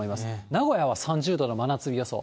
名古屋は３０度の真夏日予想。